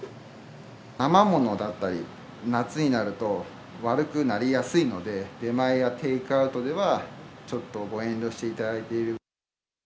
生ものだったり、夏になると悪くなりやすいので、出前やテイクアウトでは、ちょっとご遠慮していただいている。